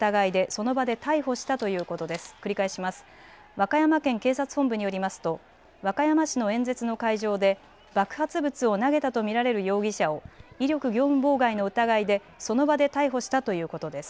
和歌山県警察本部によりますと和歌山市の演説の会場で爆発物を投げたと見られる容疑者を威力業務妨害の疑いでその場で逮捕したということです。